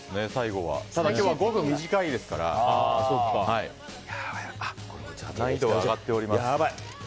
今日は５分短いですから難易度が上がっております。